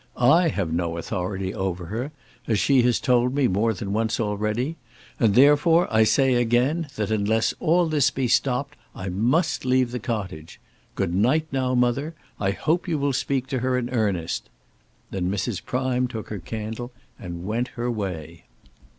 I have no authority over her, as she has told me, more than once already, and therefore I say again, that unless all this be stopped, I must leave the cottage. Good night, now, mother. I hope you will speak to her in earnest." Then Mrs. Prime took her candle and went her way.